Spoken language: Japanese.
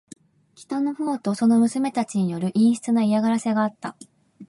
北の方とその娘たちによる陰湿な嫌がらせがあった。